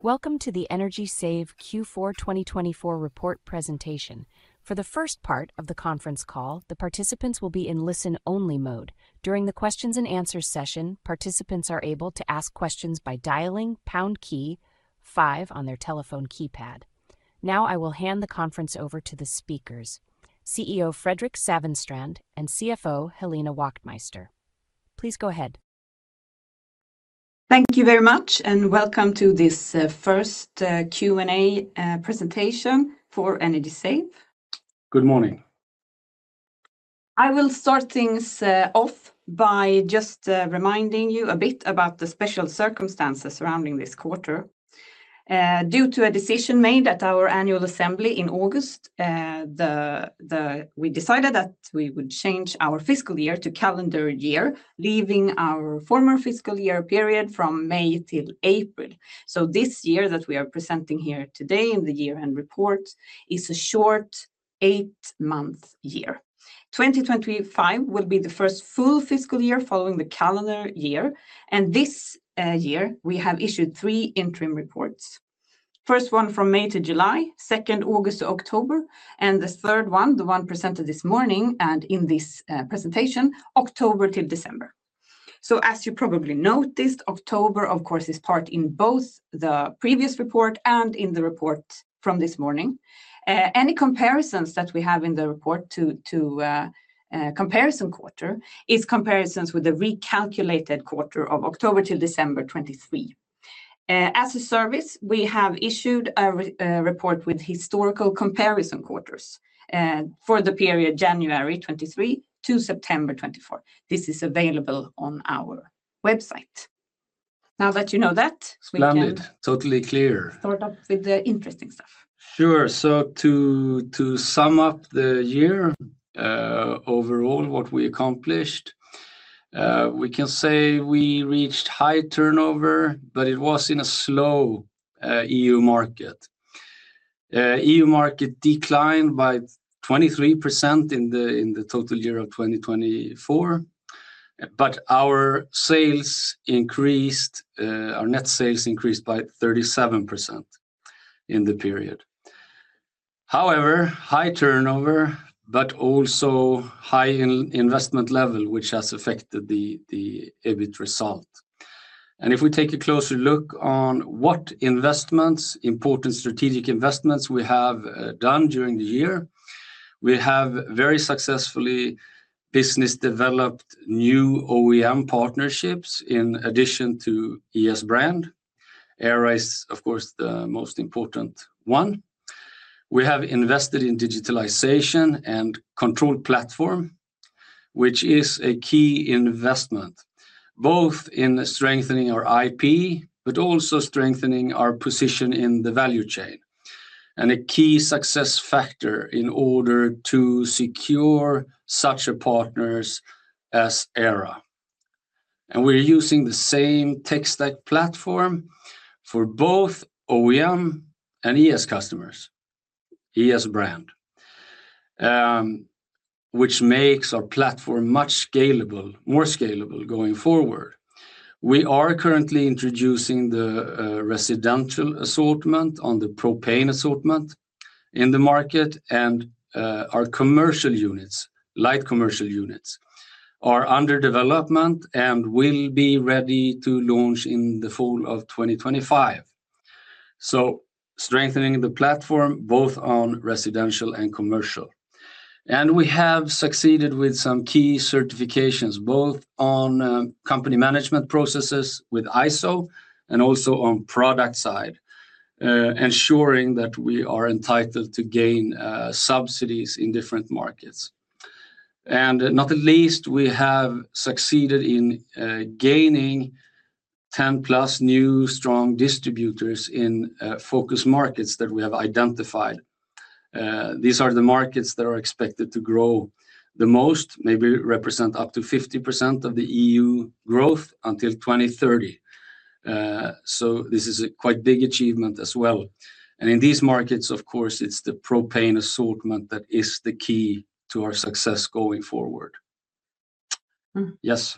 Welcome to the Energy Save Q4 2024 Report Presentation. For the first part of the conference call, the participants will be in listen-only mode. During the Q&A session, participants are able to ask questions by dialing pound key five on their telephone keypad. Now I will hand the conference over to the speakers: CEO Fredrik Sävenstrand and CFO Helena Wachtmeister. Please go ahead. Thank you very much, and welcome to this first Q&A presentation for Energy Save. Good morning. I will start things off by just reminding you a bit about the special circumstances surrounding this quarter. Due to a decision made at our annual assembly in August, we decided that we would change our fiscal year to calendar year, leaving our former fiscal year period from May to April. This year that we are presenting here today in the year-end report is a short eight-month year. 2025 will be the first full fiscal year following the calendar year, and this year we have issued three interim reports: the first one from May to July, the second from August to October, and the third one, the one presented this morning and in this presentation, from October to December. As you probably noticed, October, of course, is part in both the previous report and in the report from this morning. Any comparisons that we have in the report to the comparison quarter are comparisons with the recalculated quarter of October to December 2023. As a service, we have issued a report with historical comparison quarters for the period January 2023 to September 2024. This is available on our website. Now that you know that, we can. Plan it. Totally clear. Start off with the interesting stuff. Sure. To sum up the year overall, what we accomplished, we can say we reached high turnover, but it was in a slow EU market. The EU market declined by 23% in the total year of 2024, but our sales increased, our net sales increased by 37% in the period. However, high turnover, but also high investment level, which has affected the EBIT result. If we take a closer look on what investments, important strategic investments we have done during the year, we have very successfully business-developed new OEM partnerships in addition to ES brand. Aira is, of course, the most important one. We have invested in digitalization and a control platform, which is a key investment, both in strengthening our IP, but also strengthening our position in the value chain, and a key success factor in order to secure such a partner as Aira. We are using the same tech stack platform for both OEM and ES customers, ES brand, which makes our platform much more scalable going forward. We are currently introducing the residential assortment on the propane assortment in the market, and our commercial units, light commercial units, are under development and will be ready to launch in the fall of 2025. Strengthening the platform both on residential and commercial. We have succeeded with some key certifications, both on company management processes with ISO and also on the product side, ensuring that we are entitled to gain subsidies in different markets. Not least, we have succeeded in gaining 10 plus new strong distributors in focus markets that we have identified. These are the markets that are expected to grow the most, maybe represent up to 50% of the EU growth until 2030. This is a quite big achievement as well. In these markets, of course, it's the propane assortment that is the key to our success going forward. Yes.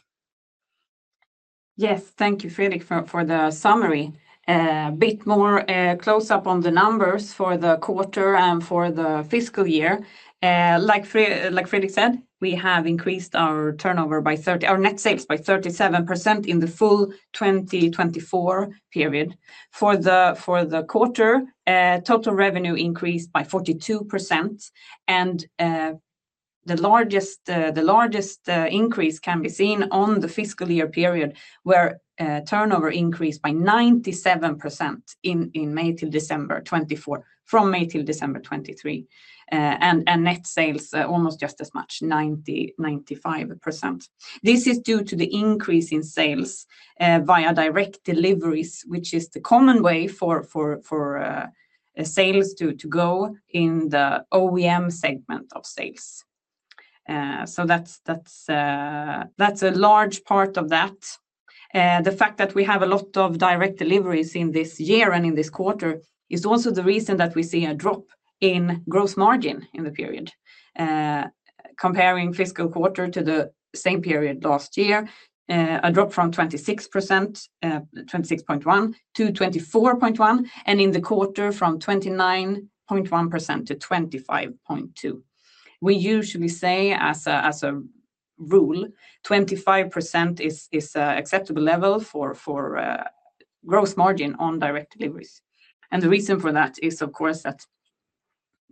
Yes. Thank you, Fredrik, for the summary. A bit more close-up on the numbers for the quarter and for the fiscal year. Like Fredrik said, we have increased our turnover by 30, our net sales by 37% in the full 2024 period. For the quarter, total revenue increased by 42%, and the largest increase can be seen on the fiscal year period, where turnover increased by 97% in May to December 2024, from May to December 2023, and net sales almost just as much, 95%. This is due to the increase in sales via direct deliveries, which is the common way for sales to go in the OEM segment of sales. That is a large part of that. The fact that we have a lot of direct deliveries in this year and in this quarter is also the reason that we see a drop in gross margin in the period. Comparing fiscal quarter to the same period last year, a drop from 26%, 26.1%-24.1%, and in the quarter from 29.1%-25.2%. We usually say, as a rule, 25% is an acceptable level for gross margin on direct deliveries. The reason for that is, of course, that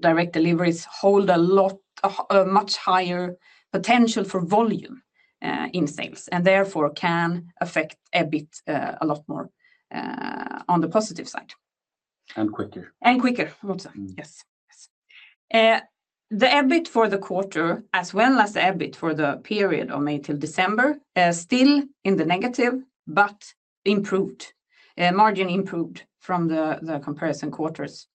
direct deliveries hold a lot, a much higher potential for volume in sales and therefore can affect EBIT a lot more on the positive side. And quicker. Quicker, also. Yes. The EBIT for the quarter, as well as the EBIT for the period of May to December, is still in the negative, but improved, margin improved from the comparison quarters.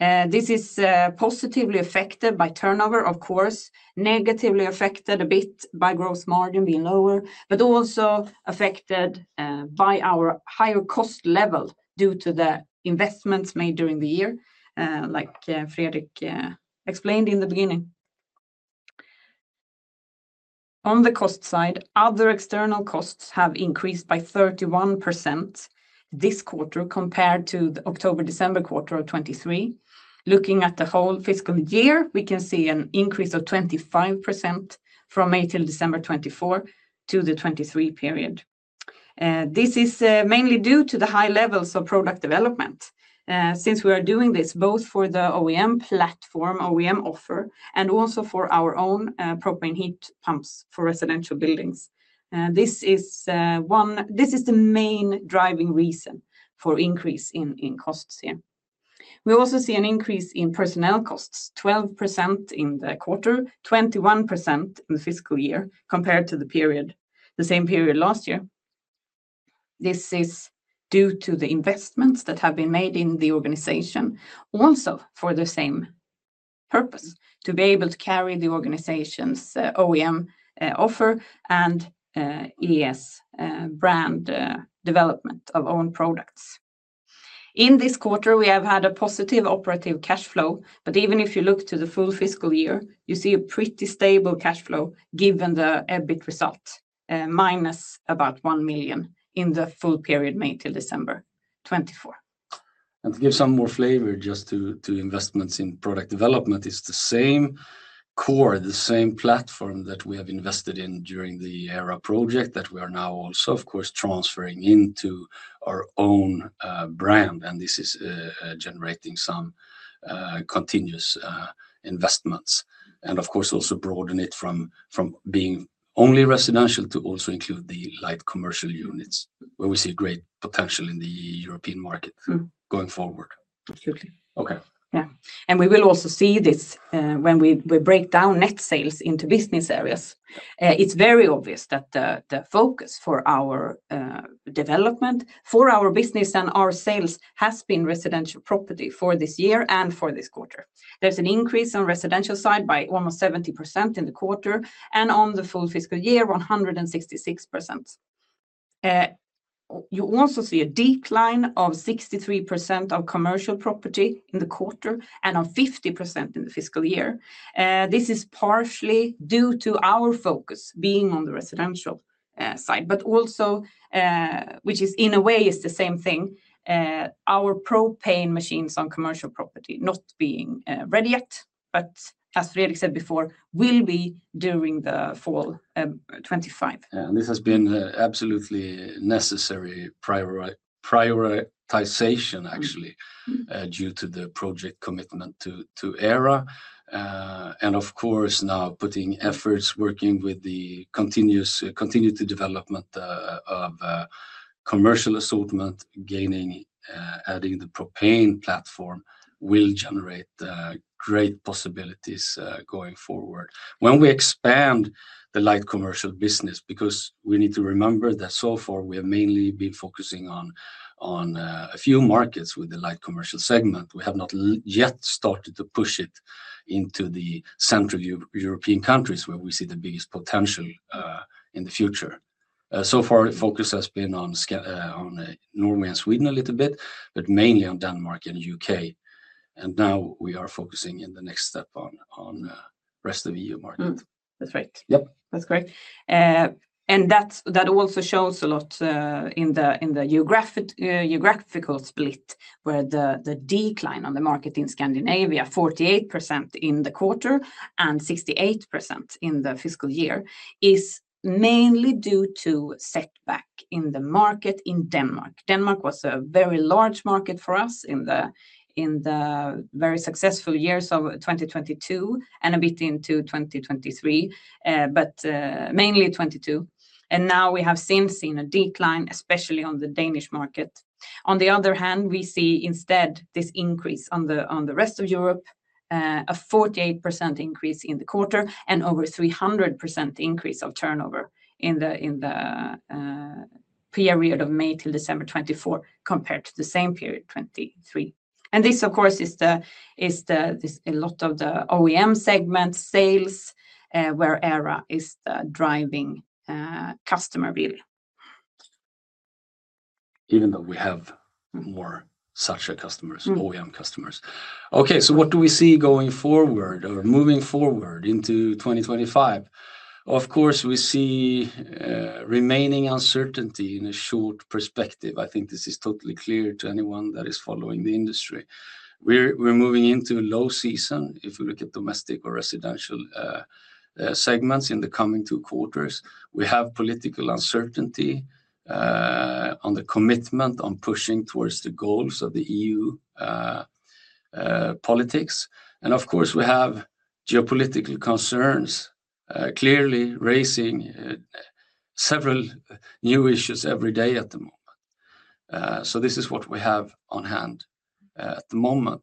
This is positively affected by turnover, of course, negatively affected a bit by gross margin being lower, but also affected by our higher cost level due to the investments made during the year, like Fredrik explained in the beginning. On the cost side, other external costs have increased by 31% this quarter compared to the October-December quarter of 2023. Looking at the whole fiscal year, we can see an increase of 25% from May to December 2024 to the 2023 period. This is mainly due to the high levels of product development. Since we are doing this both for the OEM platform, OEM offer, and also for our own propane heat pumps for residential buildings, this is the main driving reason for increase in costs here. We also see an increase in personnel costs, 12% in the quarter, 21% in the fiscal year compared to the same period last year. This is due to the investments that have been made in the organization, also for the same purpose, to be able to carry the organization's OEM offer and ES brand development of own products. In this quarter, we have had a positive operative cash flow, but even if you look to the full fiscal year, you see a pretty stable cash flow given the EBIT result, minus about 1 million in the full period May to December 2024. To give some more flavor, just to investments in product development, it's the same core, the same platform that we have invested in during the Aira project that we are now also, of course, transferring into our own brand, and this is generating some continuous investments. Of course, also broaden it from being only residential to also include the light commercial units, where we see great potential in the European market going forward. Absolutely. Okay. Yeah. We will also see this when we break down net sales into business areas. It is very obvious that the focus for our development, for our business and our sales has been residential property for this year and for this quarter. There is an increase on the residential side by almost 70% in the quarter, and on the full fiscal year, 166%. You also see a decline of 63% of commercial property in the quarter and of 50% in the fiscal year. This is partially due to our focus being on the residential side, but also, which is in a way the same thing, our propane machines on commercial property not being ready yet, but as Fredrik said before, will be during the fall 2025. This has been an absolutely necessary prioritization, actually, due to the project commitment to Aira. Of course, now putting efforts, working with the continued development of commercial assortment, gaining, adding the propane platform will generate great possibilities going forward. When we expand the light commercial business, we need to remember that so far we have mainly been focusing on a few markets with the light commercial segment. We have not yet started to push it into the Central European countries where we see the biggest potential in the future. So far, the focus has been on Norway and Sweden a little bit, but mainly on Denmark and the U.K. Now we are focusing in the next step on the rest of the EU market. That's right. Yep. That's correct. That also shows a lot in the geographical split, where the decline on the market in Scandinavia, 48% in the quarter and 68% in the fiscal year, is mainly due to setback in the market in Denmark. Denmark was a very large market for us in the very successful years of 2022 and a bit into 2023, but mainly 2022. Now we have since seen a decline, especially on the Danish market. On the other hand, we see instead this increase on the rest of Europe, a 48% increase in the quarter and over 300% increase of turnover in the period of May to December 2024 compared to the same period 2023. This, of course, is a lot of the OEM segment sales, where Aira is the driving customer, really. Even though we have more such customers, OEM customers. Okay, what do we see going forward or moving forward into 2025? Of course, we see remaining uncertainty in a short perspective. I think this is totally clear to anyone that is following the industry. We are moving into a low season if we look at domestic or residential segments in the coming two quarters. We have political uncertainty on the commitment on pushing towards the goals of the EU politics. Of course, we have geopolitical concerns clearly raising several new issues every day at the moment. This is what we have on hand at the moment.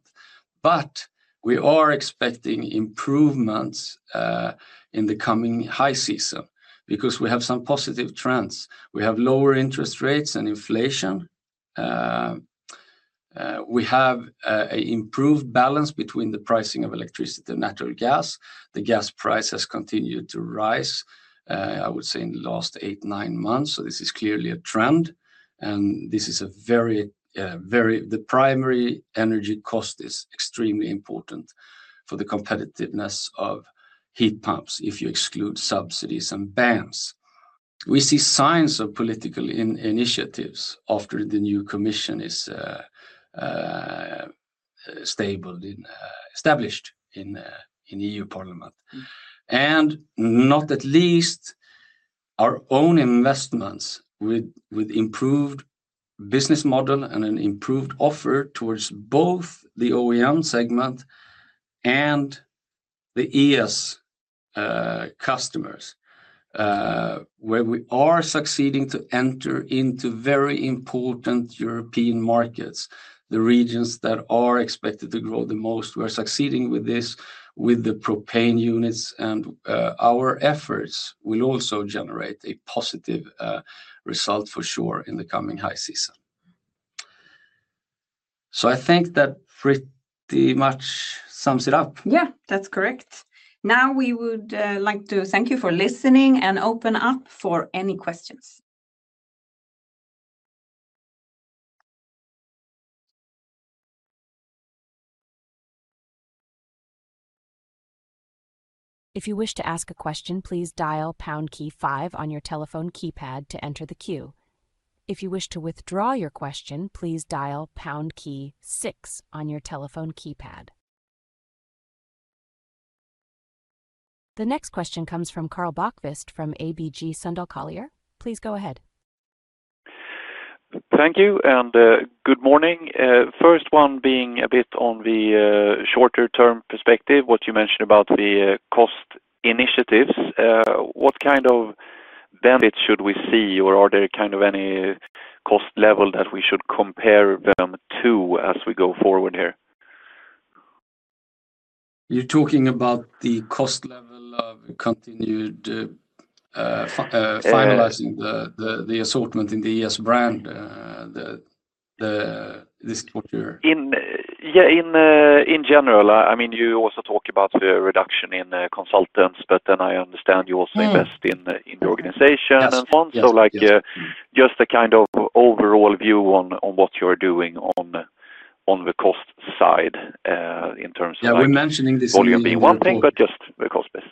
We are expecting improvements in the coming high season because we have some positive trends. We have lower interest rates and inflation. We have an improved balance between the pricing of electricity and natural gas. The gas price has continued to rise, I would say, in the last eight, nine months. This is clearly a trend. This is a very, very, the primary energy cost is extremely important for the competitiveness of heat pumps if you exclude subsidies and bans. We see signs of political initiatives after the new commission is established in the EU Parliament. Not at least our own investments with improved business model and an improved offer towards both the OEM segment and the ES customers, where we are succeeding to enter into very important European markets, the regions that are expected to grow the most. We are succeeding with this, with the propane units, and our efforts will also generate a positive result for sure in the coming high season. I think that pretty much sums it up. Yeah, that's correct. Now we would like to thank you for listening and open up for any questions. If you wish to ask a question, please dial pound key five on your telephone keypad to enter the queue. If you wish to withdraw your question, please dial pound key six on your telephone keypad. The next question comes from Karl Bokvist from ABG Sundal Collier. Please go ahead. Thank you and good morning. First one being a bit on the shorter-term perspective, what you mentioned about the cost initiatives. What kind of benefits should we see, or are there kind of any cost level that we should compare them to as we go forward here? You're talking about the cost level of continued finalizing the assortment in the ES brand this quarter? Yeah, in general, I mean, you also talk about the reduction in consultants, but then I understand you also invest in the organization and so on. Just a kind of overall view on what you're doing on the cost side in terms of volume being one thing, but just the cost, please.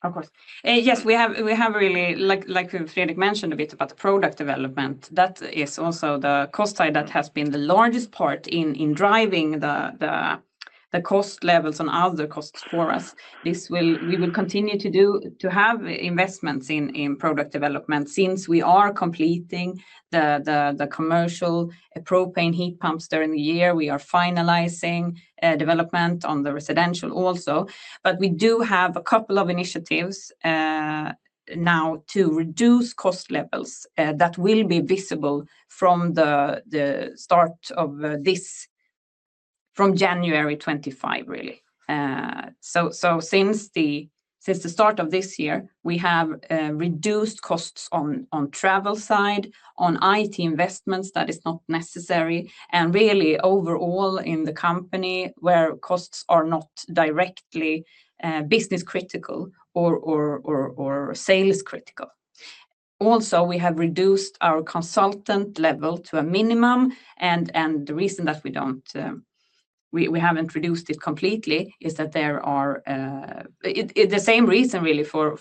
Of course. Yes, we have really, like Fredrik mentioned, a bit about the product development. That is also the cost side that has been the largest part in driving the cost levels on other costs for us. We will continue to have investments in product development since we are completing the commercial propane heat pumps during the year. We are finalizing development on the residential also. We do have a couple of initiatives now to reduce cost levels that will be visible from the start of this, from January 2025, really. Since the start of this year, we have reduced costs on the travel side, on IT investments that are not necessary, and really overall in the company where costs are not directly business-critical or sales-critical. Also, we have reduced our consultant level to a minimum. The reason that we haven't reduced it completely is that there are the same reason, really, for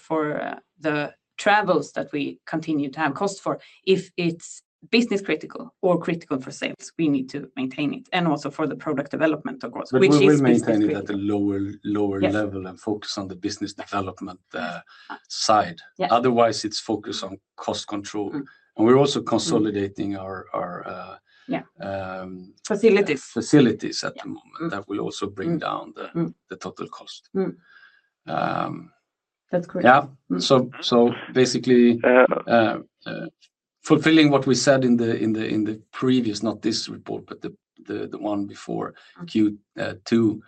the travels that we continue to have costs for. If it's business-critical or critical for sales, we need to maintain it. Also for the product development, of course, which is the. We will maintain it at a lower level and focus on the business development side. Otherwise, it's focus on cost control. We are also consolidating our. Facilities. Facilities at the moment that will also bring down the total cost. That's correct. Yeah. So basically fulfilling what we said in the previous, not this report, but the one before Q2,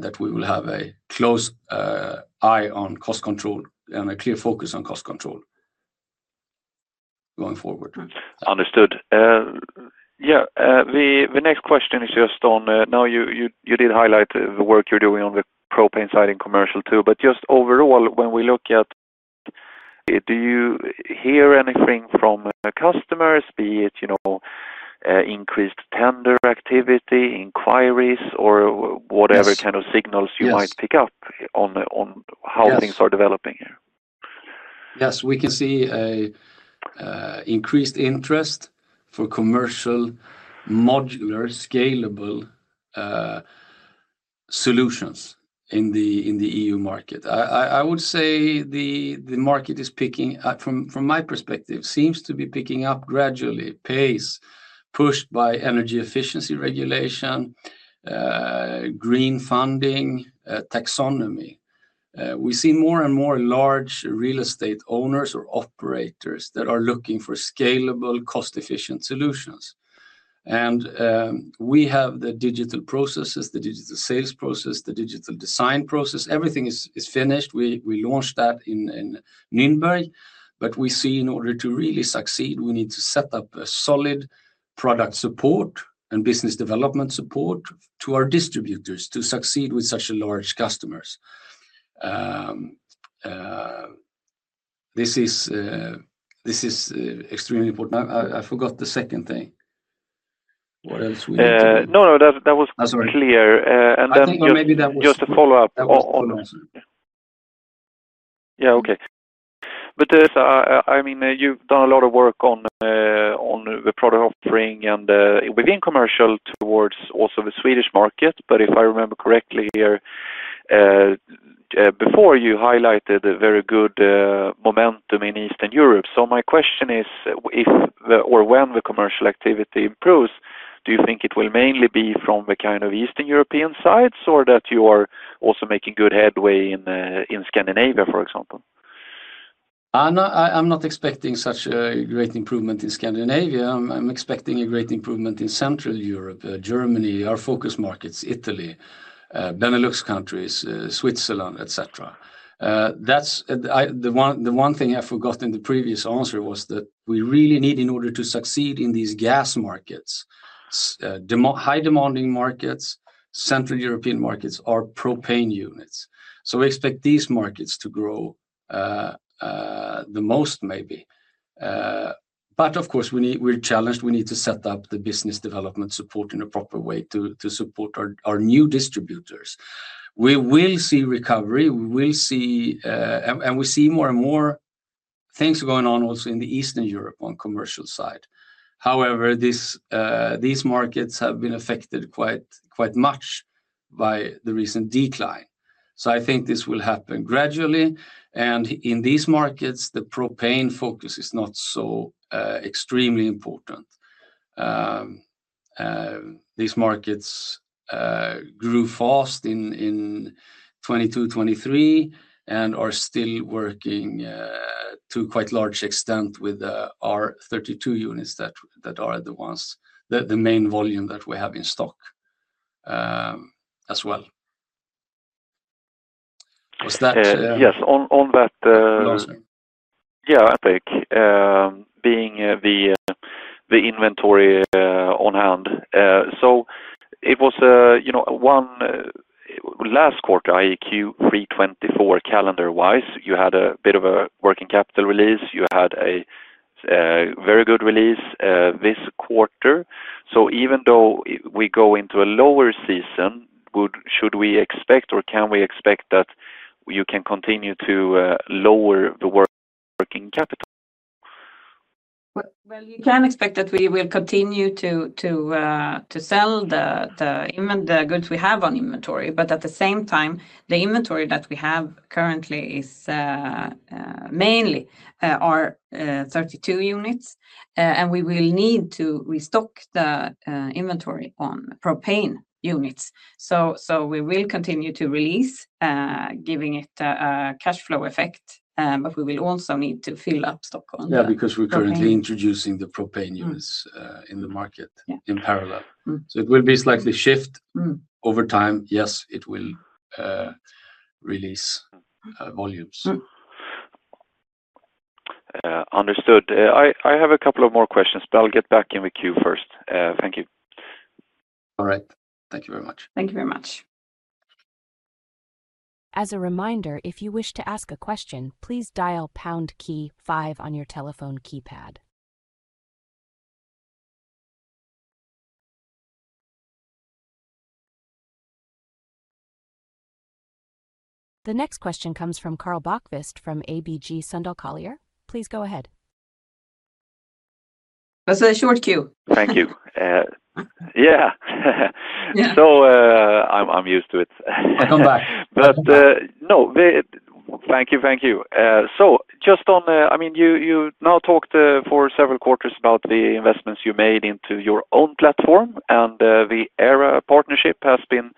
that we will have a close eye on cost control and a clear focus on cost control going forward. Understood. Yeah. The next question is just on now you did highlight the work you're doing on the propane side in commercial too, but just overall, when we look at, do you hear anything from customers, be it increased tender activity, inquiries, or whatever kind of signals you might pick up on how things are developing here? Yes, we can see an increased interest for commercial modular scalable solutions in the EU market. I would say the market is picking, from my perspective, seems to be picking up gradually, pace pushed by energy efficiency regulation, green funding, taxonomy. We see more and more large real estate owners or operators that are looking for scalable, cost-efficient solutions. We have the digital processes, the digital sales process, the digital design process. Everything is finished. We launched that in Nürnberg, but we see in order to really succeed, we need to set up a solid product support and business development support to our distributors to succeed with such large customers. This is extremely important. I forgot the second thing. What else we need to do? No, no, that was clear. Just a follow-up. Yeah, okay. I mean, you've done a lot of work on the product offering and within commercial towards also the Swedish market, but if I remember correctly here, before you highlighted a very good momentum in Eastern Europe. My question is, if or when the commercial activity improves, do you think it will mainly be from the kind of Eastern European sides or that you are also making good headway in Scandinavia, for example? I'm not expecting such a great improvement in Scandinavia. I'm expecting a great improvement in Central Europe, Germany, our focus markets, Italy, Benelux countries, Switzerland, etc. The one thing I forgot in the previous answer was that we really need, in order to succeed in these gas markets, high-demanding markets, Central European markets are propane units. We expect these markets to grow the most, maybe. Of course, we're challenged. We need to set up the business development support in a proper way to support our new distributors. We will see recovery. We will see, and we see more and more things going on also in Eastern Europe on the commercial side. However, these markets have been affected quite much by the recent decline. I think this will happen gradually. In these markets, the propane focus is not so extremely important. These markets grew fast in 2022, 2023, and are still working to a quite large extent with our R32 units that are the main volume that we have in stock as well. Was that? Yes, on that. No, sir. Yeah. Epic being the inventory on hand. It was one last quarter, i.e Q3 2024 calendar-wise, you had a bit of a working capital release. You had a very good release this quarter. Even though we go into a lower season, should we expect or can we expect that you can continue to lower the working capital? You can expect that we will continue to sell the goods we have on inventory. At the same time, the inventory that we have currently is mainly our R32 units, and we will need to restock the inventory on propane units. We will continue to release, giving it a cash flow effect, but we will also need to fill up stock on. Yeah, because we're currently introducing the propane units in the market in parallel. It will be a slight shift over time. Yes, it will release volumes. Understood. I have a couple of more questions, but I'll get back in with Q first. Thank you. All right. Thank you very much. Thank you very much. As a reminder, if you wish to ask a question, please dial pound key five on your telephone keypad. The next question comes from Karl Bokvist from ABG Sundal Collier. Please go ahead. That's a short Q. Thank you. Yeah. I'm used to it. I'll come back. No, thank you, thank you. Just on, I mean, you now talked for several quarters about the investments you made into your own platform, and the Aira partnership has been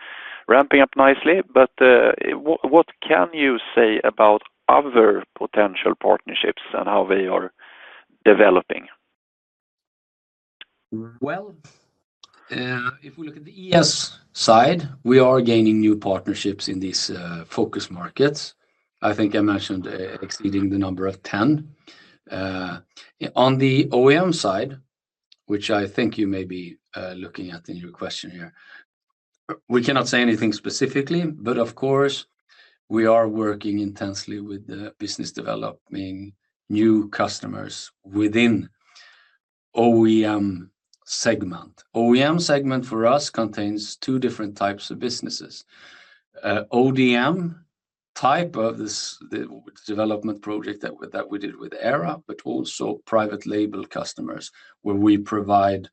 ramping up nicely. What can you say about other potential partnerships and how they are developing? If we look at the ES side, we are gaining new partnerships in these focus markets. I think I mentioned exceeding the number of 10. On the OEM side, which I think you may be looking at in your question here, we cannot say anything specifically, but of course, we are working intensely with the business developing new customers within the OEM segment. The OEM segment for us contains two different types of businesses: ODM type of this development project that we did with Aira, but also private label customers where we provide,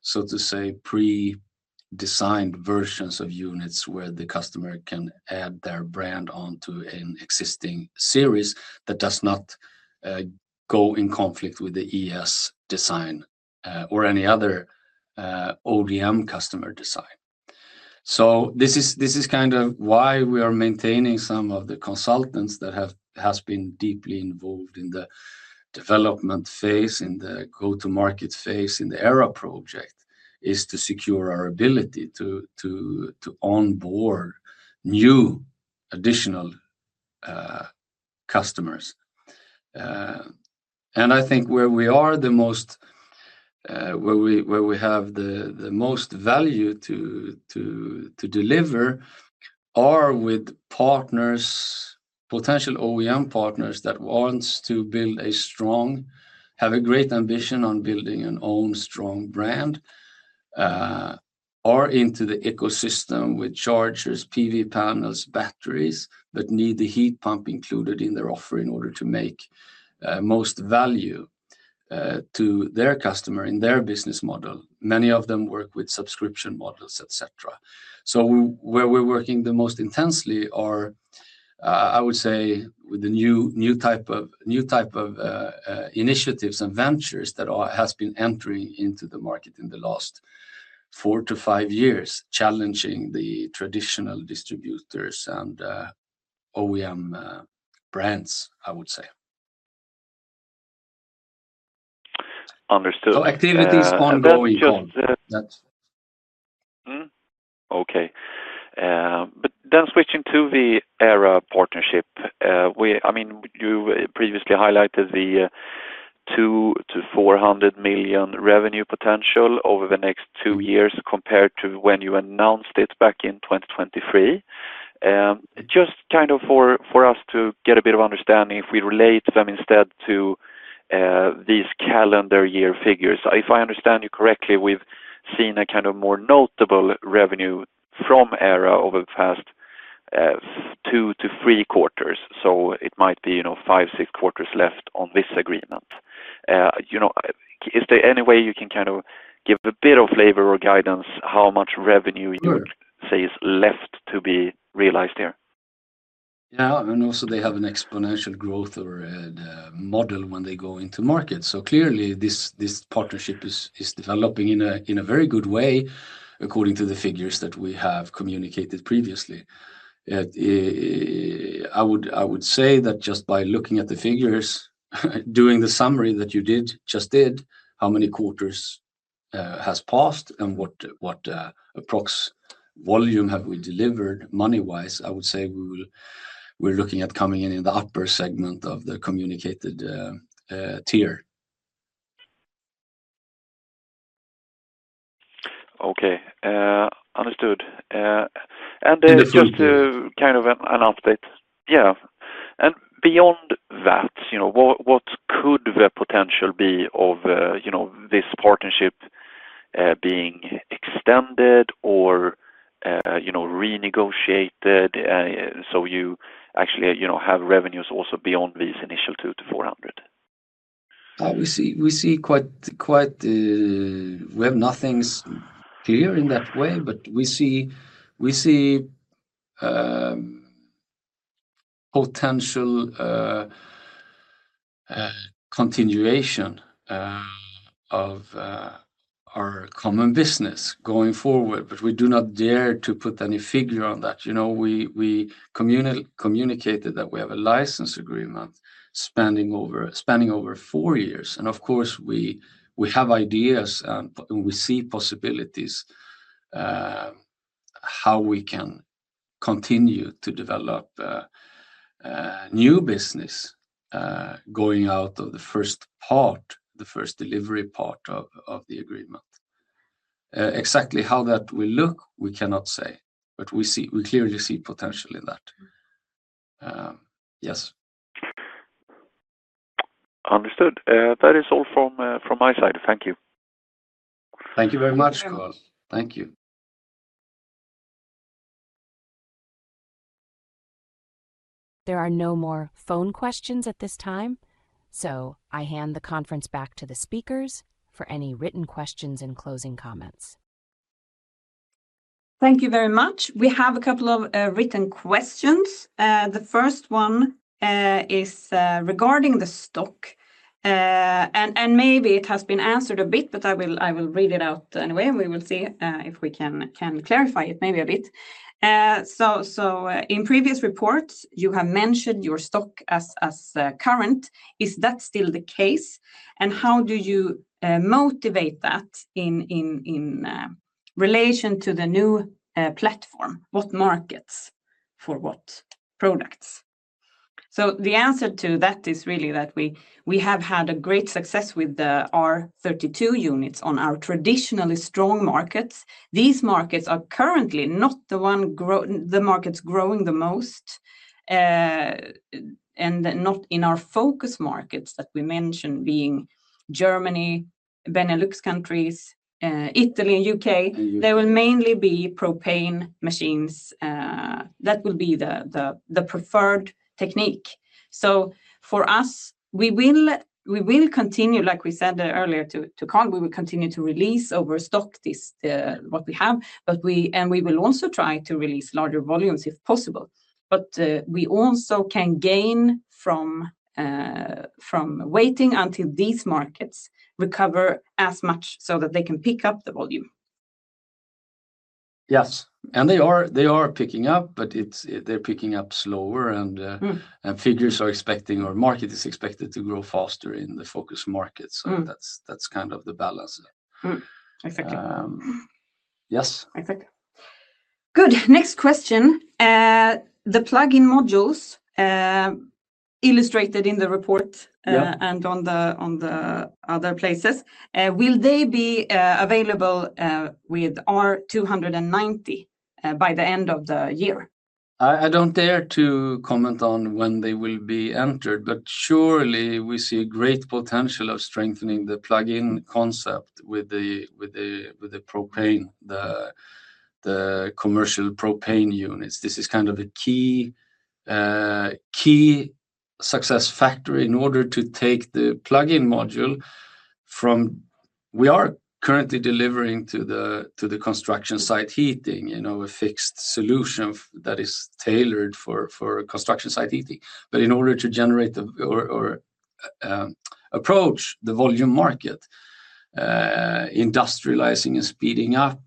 so to say, pre-designed versions of units where the customer can add their brand onto an existing series that does not go in conflict with the ES design or any other ODM customer design. This is kind of why we are maintaining some of the consultants that have been deeply involved in the development phase, in the go-to-market phase in the Aira project, to secure our ability to onboard new additional customers. I think where we have the most value to deliver are with partners, potential OEM partners that want to build a strong, have a great ambition on building an own strong brand, are into the ecosystem with chargers, PV panels, batteries, but need the heat pump included in their offer in order to make most value to their customer in their business model. Many of them work with subscription models, etc. Where we're working the most intensely are, I would say, with the new type of initiatives and ventures that have been entering into the market in the last four to five years, challenging the traditional distributors and OEM brands, I would say. Understood. Activities ongoing. Okay. Switching to the Aira partnership, I mean, you previously highlighted the 200-400 million SEK revenue potential over the next two years compared to when you announced it back in 2023. Just kind of for us to get a bit of understanding if we relate them instead to these calendar year figures. If I understand you correctly, we've seen a kind of more notable revenue from Aira over the past two to three quarters. It might be five-six quarters left on this agreement. Is there any way you can kind of give a bit of flavor or guidance how much revenue you would say is left to be realized here? Yeah. Also, they have an exponential growth model when they go into market. Clearly, this partnership is developing in a very good way according to the figures that we have communicated previously. I would say that just by looking at the figures, doing the summary that you just did, how many quarters has passed and what approximate volume have we delivered money-wise, I would say we're looking at coming in the upper segment of the communicated tier. Okay. Understood. Just kind of an update. Yeah. Beyond that, what could the potential be of this partnership being extended or renegotiated so you actually have revenues also beyond these initial 2-400? We see quite, we have nothing clear in that way, but we see potential continuation of our common business going forward, but we do not dare to put any figure on that. We communicated that we have a license agreement spanning over four years. Of course, we have ideas and we see possibilities how we can continue to develop new business going out of the first part, the first delivery part of the agreement. Exactly how that will look, we cannot say, but we clearly see potential in that. Yes. Understood. That is all from my side. Thank you. Thank you very much, Karl. Thank you. There are no more phone questions at this time, so I hand the conference back to the speakers for any written questions and closing comments. Thank you very much. We have a couple of written questions. The first one is regarding the stock. Maybe it has been answered a bit, but I will read it out anyway, and we will see if we can clarify it maybe a bit. In previous reports, you have mentioned your stock as current. Is that still the case? How do you motivate that in relation to the new platform? What markets for what products? The answer to that is really that we have had great success with our R32 units on our traditionally strong markets. These markets are currently not the markets growing the most and not in our focus markets that we mentioned being Germany, Benelux countries, Italy, and U.K. They will mainly be propane machines. That will be the preferred technique. For us, we will continue, like we said earlier, to come. We will continue to release over stock what we have, and we will also try to release larger volumes if possible. We also can gain from waiting until these markets recover as much so that they can pick up the volume. Yes, they are picking up, but they're picking up slower, and figures are expecting or market is expected to grow faster in the focus markets. That's kind of the balance. Exactly. Yes. Exactly. Good. Next question. The plug-in modules illustrated in the report and on the other places, will they be available with R290 by the end of the year? I don't dare to comment on when they will be entered, but surely we see a great potential of strengthening the plug-in concept with the propane, the commercial propane units. This is kind of a key success factor in order to take the plug-in module from we are currently delivering to the construction site heating in our fixed solution that is tailored for construction site heating. In order to generate or approach the volume market, industrializing and speeding up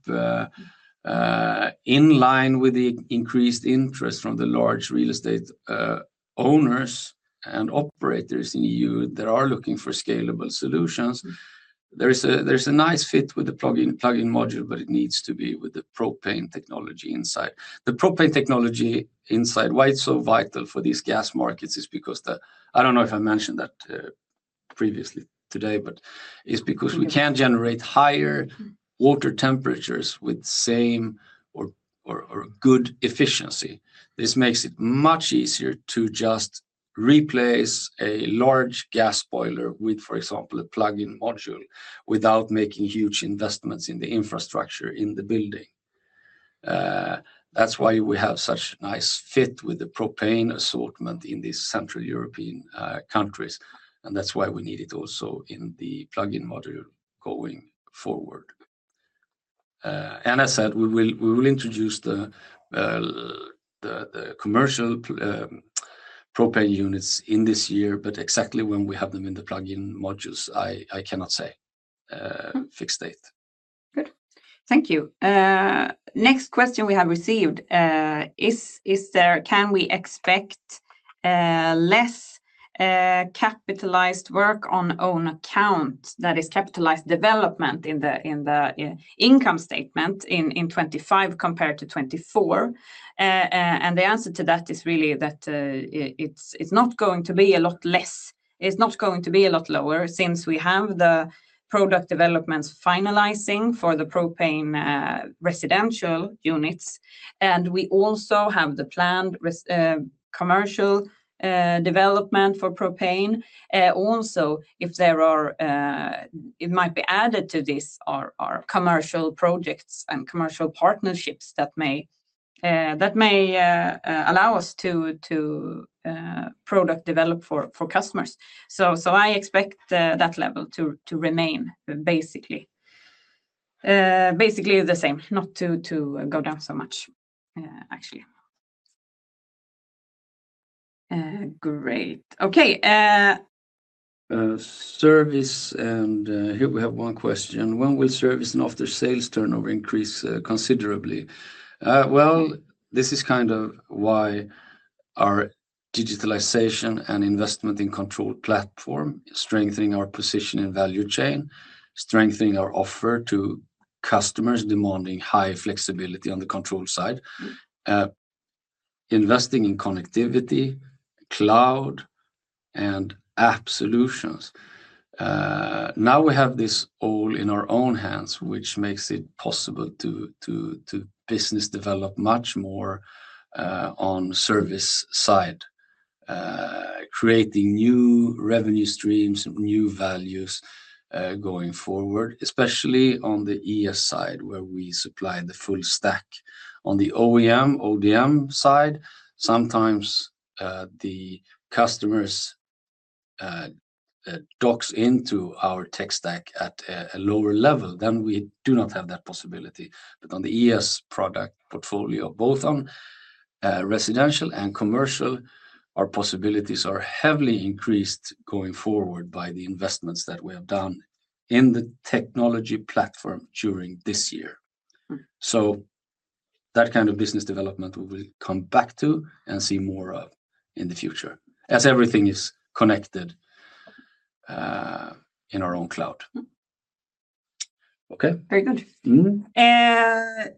in line with the increased interest from the large real estate owners and operators in the EU that are looking for scalable solutions. There's a nice fit with the plug-in module, but it needs to be with the propane technology inside. The propane technology inside, why it's so vital for these gas markets is because the, I don't know if I mentioned that previously today, but it's because we can generate higher water temperatures with same or good efficiency. This makes it much easier to just replace a large gas boiler with, for example, a plug-in module without making huge investments in the infrastructure in the building. That's why we have such a nice fit with the propane assortment in these Central European countries. That's why we need it also in the plug-in module going forward. As I said, we will introduce the commercial propane units in this year, but exactly when we have them in the plug-in modules, I cannot say fixed date. Good. Thank you. Next question we have received is, can we expect less capitalized work on own account, that is, capitalized development in the income statement in 2025 compared to 2024? The answer to that is really that it's not going to be a lot less. It's not going to be a lot lower since we have the product developments finalizing for the propane residential units. We also have the planned commercial development for propane. Also, if there are, it might be added to this, are commercial projects and commercial partnerships that may allow us to product develop for customers. I expect that level to remain basically the same, not to go down so much, actually. Great. Okay. Service and here we have one question. When will service and after-sales turnover increase considerably? This is kind of why our digitalization and investment in control platform, strengthening our position in value chain, strengthening our offer to customers demanding high flexibility on the control side, investing in connectivity, cloud, and app solutions. Now we have this all in our own hands, which makes it possible to business develop much more on service side, creating new revenue streams, new values going forward, especially on the ES side where we supply the full stack. On the OEM, ODM side, sometimes the customer's docs into our tech stack at a lower level, then we do not have that possibility. On the ES product portfolio, both on residential and commercial, our possibilities are heavily increased going forward by the investments that we have done in the technology platform during this year. That kind of business development we will come back to and see more of in the future as everything is connected in our own cloud. Okay. Very good.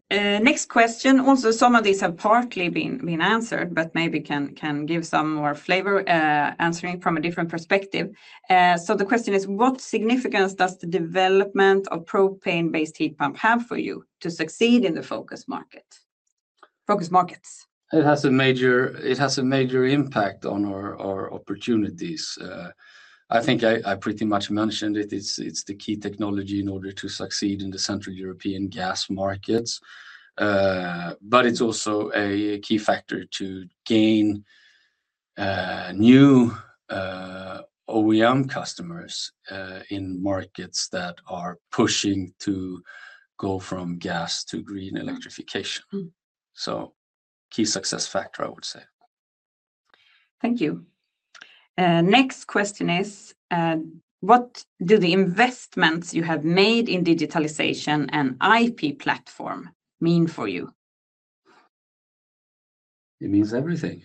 Next question. Also, some of these have partly been answered, but maybe can give some more flavor answering from a different perspective. The question is, what significance does the development of propane-based heat pump have for you to succeed in the focus markets? It has a major impact on our opportunities. I think I pretty much mentioned it. It's the key technology in order to succeed in the Central European gas markets. It is also a key factor to gain new OEM customers in markets that are pushing to go from gas to green electrification. Key success factor, I would say. Thank you. Next question is, what do the investments you have made in digitalization and IP platform mean for you? It means everything.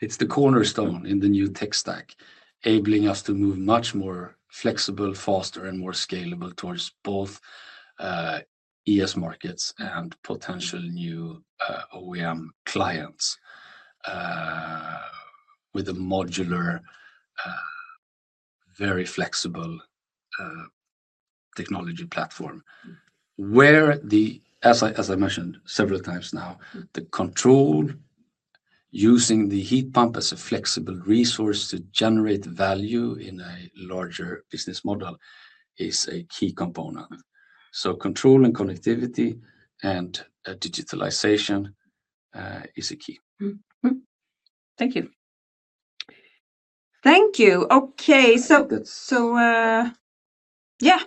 It's the cornerstone in the new tech stack, enabling us to move much more flexible, faster, and more scalable towards both ES markets and potential new OEM clients with a modular, very flexible technology platform. Where, as I mentioned several times now, the control using the heat pump as a flexible resource to generate value in a larger business model is a key component. Control and connectivity and digitalization is a key. Thank you. Thank you. Okay. Yeah,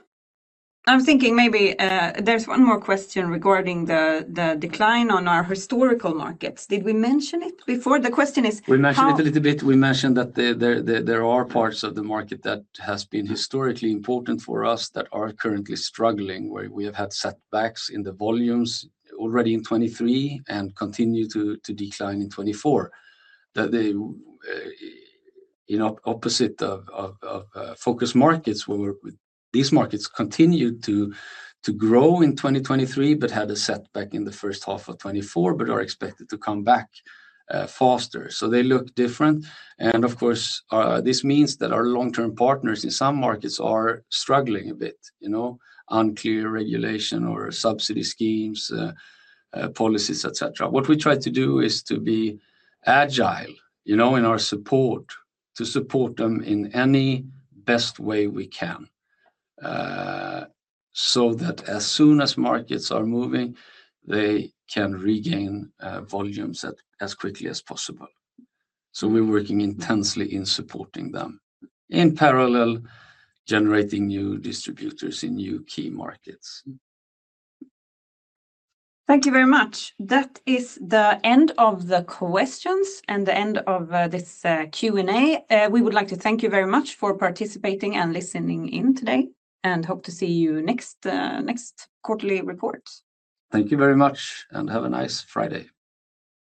I'm thinking maybe there's one more question regarding the decline on our historical markets. Did we mention it before? The question is. We mentioned it a little bit. We mentioned that there are parts of the market that have been historically important for us that are currently struggling, where we have had setbacks in the volumes already in 2023 and continue to decline in 2024. In opposite of focus markets, these markets continued to grow in 2023, but had a setback in the first half of 2024, but are expected to come back faster. They look different. Of course, this means that our long-term partners in some markets are struggling a bit, unclear regulation or subsidy schemes, policies, etc. What we try to do is to be agile in our support to support them in any best way we can so that as soon as markets are moving, they can regain volumes as quickly as possible. We're working intensely in supporting them in parallel, generating new distributors in new key markets. Thank you very much. That is the end of the questions and the end of this Q&A. We would like to thank you very much for participating and listening in today and hope to see you next quarterly report. Thank you very much and have a nice Friday.